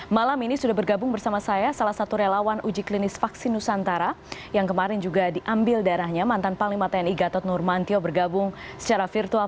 malam ini sudah bergabung bersama saya salah satu relawan uji klinis vaksin nusantara yang kemarin juga diambil darahnya mantan panglima tni gatot nurmantio bergabung secara virtual